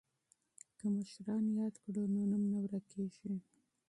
که مشران یاد کړو نو نوم نه ورکيږي.